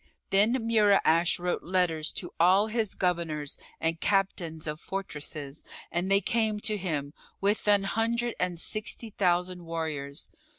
Then Mura'ash wrote letters to all his Governors and Captains of fortresses and they came to him with an hundred and sixty thousand warriors.